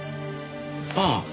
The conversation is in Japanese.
ああ。